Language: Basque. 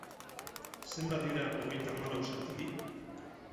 Zenbat dira hogeita hamalau zati bi?